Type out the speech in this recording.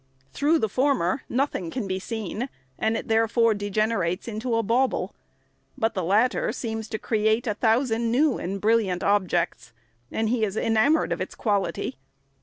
Through the former nothing can be teen, and it therefore degenerates into a bawble ; but the latter seems to create a thousand new and brilliant objects, and hence he is enamoured of its quality.